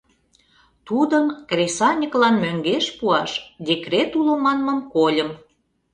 Тудым кресаньыклан мӧҥгеш пуаш декрет уло манмым кольым.